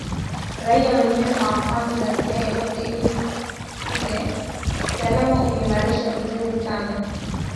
raia wenyewe hawafanyi ghasia yeyote ile usalama umeimarishwa vizuri sana